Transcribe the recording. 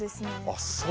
あっそう。